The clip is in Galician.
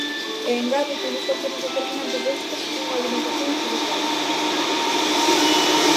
E engade que un dos factores determinantes desta é unha alimentación equilibrada.